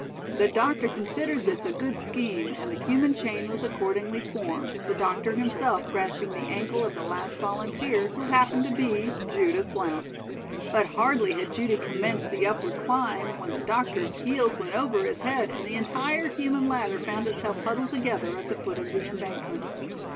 The doctor considered this a good scheme and the human chain was accordingly formed, the doctor himself grasping the ankle of the last volunteer, who happened to be Judith Blount. But hardly had Judy commenced the upward climb, when the doctor's heels went over his head and the entire human ladder found itself huddled together at the foot of the embankment.